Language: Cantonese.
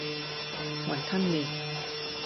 雲吞麪